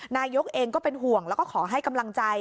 นายกเองก็เป็นห่วงแล้วก็ขอให้กำลังใจ